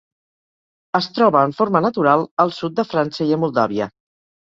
Es troba en forma natural al sud de França i a Moldàvia.